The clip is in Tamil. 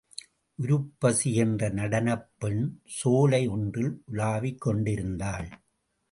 உருப்பசி என்ற நடனப்பெண் சோலை ஒன்றில் உலவிக் கொண்டிருந்தாள்.